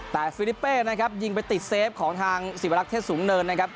แต่ฟิลิเป้นะครับยิงไปติดเซฟของทางศิวรักษ์เทศสูงเนินนะครับ